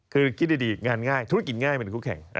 คือคิดดีงานง่ายธุรกิจง่ายเหมือนคู่แข่ง